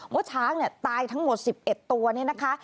ว่าช้างตายทั้งหมด๑๑ตัวเนี่ยนะคะ